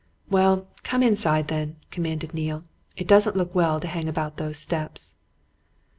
"Well, come inside, then," commanded Neale. "It doesn't look well to hang about those steps."